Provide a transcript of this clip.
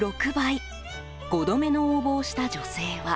５度目の応募をした女性は。